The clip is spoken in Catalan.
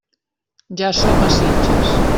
Ja som a Sitges.